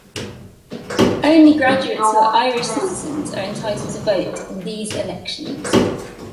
Only graduates who are Irish citizens are entitled to vote in these elections.